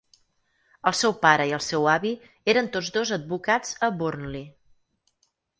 El seu pare i el seu avi eren tots dos advocats a Burnley.